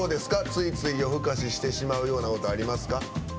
ついつい夜更かししてしまうようなことありますか？